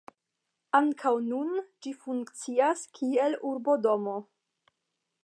Ankaŭ nun ĝi funkcias kiel urbodomo.